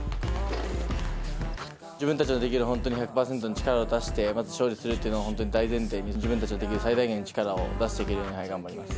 自分たちのできる本当に１００％の力を出して、まず、勝利するっていうのを大前提に、自分たちのできる最大限の力を出していけるように頑張ります。